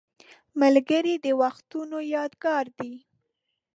ملګری د وختونو یادګار دی